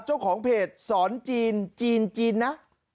เจ้าของเพจสอนจีนจีนจีนนะ